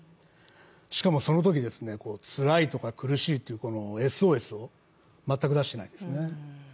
しかもそのとき、つらいとか苦しいというＳＯＳを全く出していないですね。